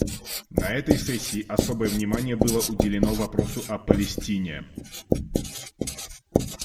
На этой сессии особое внимание было уделено вопросу о Палестине.